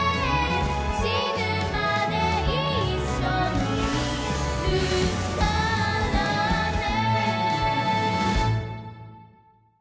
「しぬまでいっしょにいるからね」